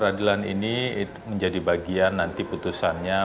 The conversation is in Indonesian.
peradilan ini menjadi bagian nanti putusannya